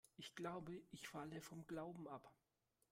Ich glaube, ich falle vom Glauben ab.